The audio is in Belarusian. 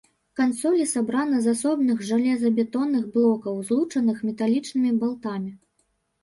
Кансолі сабрана з асобных жалезабетонных блокаў, злучаных металічнымі балтамі.